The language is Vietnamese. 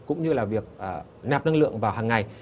cũng như việc nạp năng lượng vào hằng ngày